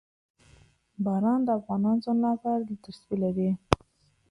باران د افغان ځوانانو لپاره ډېره دلچسپي لري.